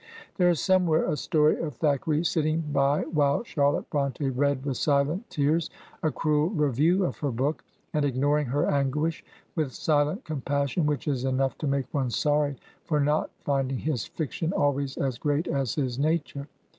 There is somewhere a story of Thackeray sitting by while Charlotte BrontS read with silent tears a cruel review of her book, and ignoring her anguish with silent compassion, which is enough to make one sorry for not finding his fiction always as great as his nature.